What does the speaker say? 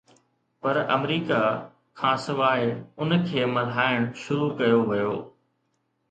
پر America کان سواءِ ان کي ملهائڻ شروع ڪيو ويو.